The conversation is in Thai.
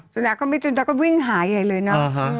สุดนักก็ไม่เจอแล้วก็วิ่งหายเลยเนอะ